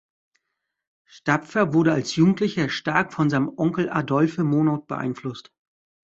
Stapfer wurde als Jugendlicher stark von seinem Onkel Adolphe Monod beeinflusst.